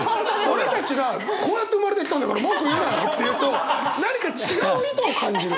俺たちが「こうやって生まれてきたんだから文句言うなよ」って言うと何か違う意図を感じる。